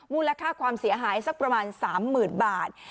มูลค่าความเสียหายสักประมาณ๓๐๐๐บาท